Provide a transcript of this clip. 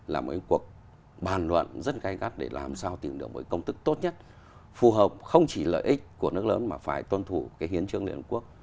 là một cuộc bàn luận rất gai gắt để làm sao tìm được một công tức tốt nhất phù hợp không chỉ lợi ích của nước lớn mà phải tuân thủ cái hiến trương liên hợp quốc